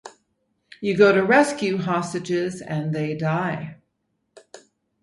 You go to rescue hostages and they die.